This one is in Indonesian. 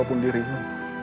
aku sayang dirimu